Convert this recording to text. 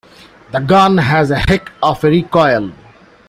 This gun has a heck of a recoil.